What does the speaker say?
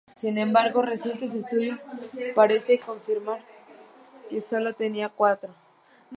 Sin embargo, recientes estudios parece confirmar que solo tenía cuatro.